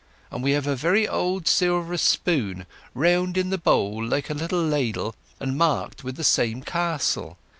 And we have a very old silver spoon, round in the bowl like a little ladle, and marked with the same castle.